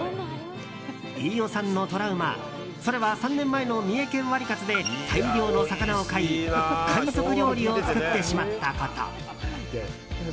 飯尾さんのトラウマそれは３年前の三重県ワリカツで大量の魚を買い海賊料理を作ってしまったこと。